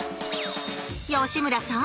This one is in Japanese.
吉村さん